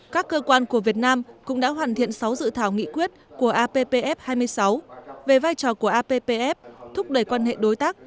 các cơ quan của việt nam cũng đã hoàn thiện sáu dự thảo nghị quyết của appf hai mươi sáu về vai trò của appf thúc đẩy quan hệ đối tác